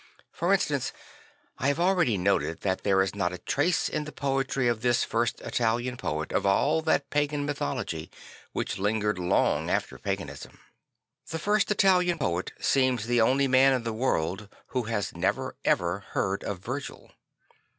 For instance, I have already noted that there is not a trace in the poetry of this first Italian poet of all that pagan mythology which lingered long after paganism. The first I talian poet seems the only man in the world who has never even heard of Virgil.